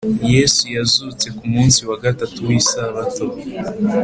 yesu yazutse ku munsi wa gatatu w’isabato